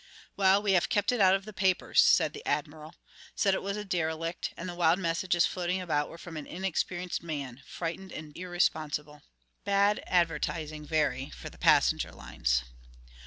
"Well, we have kept it out of the papers," said the Admiral. "Said it was a derelict, and the wild messages floating about were from an inexperienced man, frightened and irresponsible. Bad advertising very for the passenger lines."